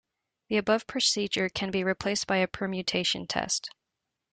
The above procedure can be replaced by a permutation test.